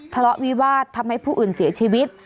ทะเลาะวิวาสทำให้ผู้อื่นเสียชีวิต